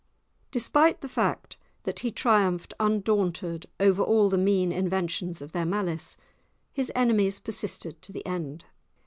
Despite the fact that he triumphed undaunted over all the mean inventions of their malice, his enemies persisted to the end.